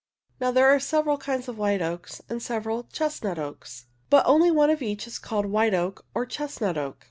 Now there are several kinds of white oaks and , several chestnut oaks, but only one of each is called " white oak " or " chestnut oak."